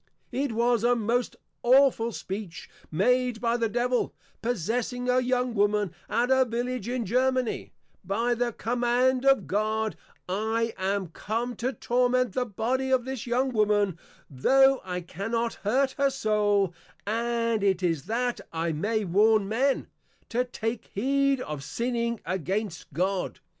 It was a most awful Speech made by the Devil, Possessing a young Woman, at a Village in Germany, _By the command of God, I am come to Torment the Body of this young Woman, tho I cannot hurt her Soul; and it is that I may warn Men, to take heed of sinning against God.